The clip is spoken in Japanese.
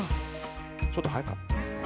ちょっと早かったですね。